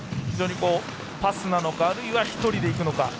非常にパスなのかあるいは１人でいくのか。